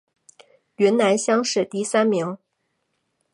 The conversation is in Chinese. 云南乡试第三名。